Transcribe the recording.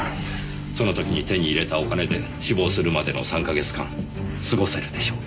その時に手に入れたお金で死亡するまでの３か月間過ごせるでしょうか？